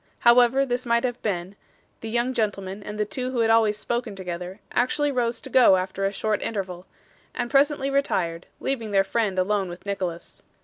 However this might have been, the young gentleman and the two who had always spoken together, actually rose to go after a short interval, and presently retired, leaving their friend alone with Nicholas.